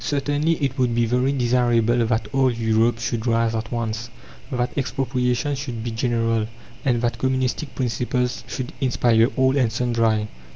Certainly it would be very desirable that all Europe should rise at once, that expropriation should be general, and that communistic principles should inspire all and sundry.